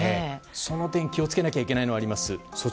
その点、気をつけなきゃいけないのがあります。